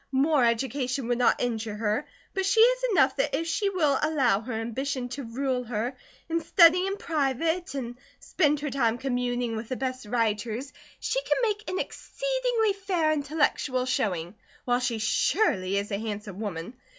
More education would not injure her, but she has enough that if she will allow her ambition to rule her and study in private and spend her spare time communing with the best writers, she can make an exceedingly fair intellectual showing, while she surely is a handsome woman.